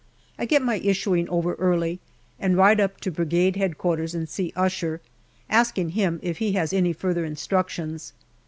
I get my issuing over early, and ride up to Brigade H.Q. and see Usher, asking him if he has any further instructions.